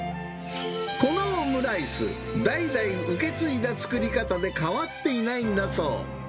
このオムライス、代々受け継いだ作り方で変わっていないんだそう。